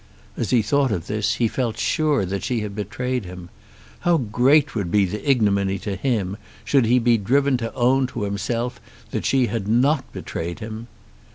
As he thought of this he felt sure that she had betrayed him! How great would be the ignominy to him should he be driven to own to himself that she had not betrayed him!